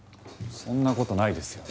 そんな事ないですよ。